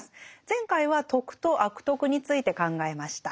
前回は「徳」と「悪徳」について考えました。